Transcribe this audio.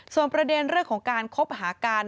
ส่วนประเด็นเรื่องของการคบหากัน